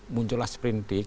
muncullah sprint dig